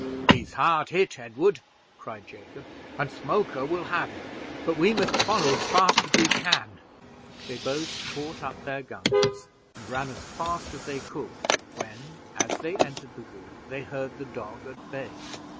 "He's hard hit, Edward," cried Jacob, "and Smoker will have him; but we must follow as fast as we can." They both caught up their guns and ran as fast as they could, when, as they entered the wood, they heard the dog at bay.